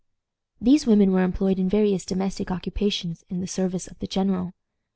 These women were employed in various domestic occupations in the service of the general.